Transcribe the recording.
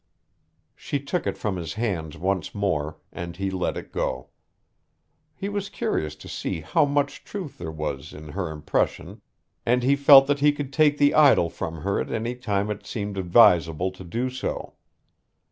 She took it from his hands once more and he let it go. He was curious to see how much truth there was in her impression and he felt that he could take the idol from her at any time it seemed advisable to do so.